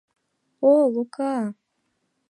— О Лука!